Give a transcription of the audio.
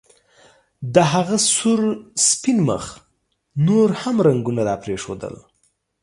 د هغه سور سپین مخ نور هم رنګونه راپرېښودل